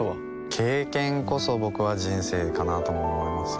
経験こそ僕は人生かなと思いますよね